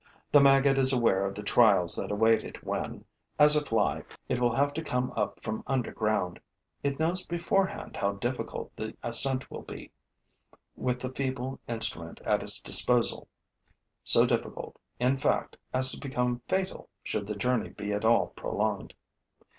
The maggot is aware of the trials that await it when, as a fly, it will have to come up from under ground; it knows beforehand how difficult the ascent will be with the feeble instrument at its disposal, so difficult, in fact, as to become fatal should the journey be at all prolonged.